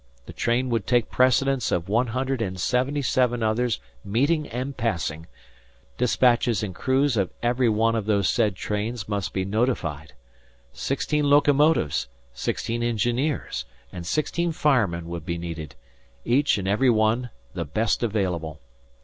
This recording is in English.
The train would take precedence of one hundred and seventy seven others meeting and passing; despatchers and crews of every one of those said trains must be notified. Sixteen locomotives, sixteen engineers, and sixteen firemen would be needed each and every one the best available.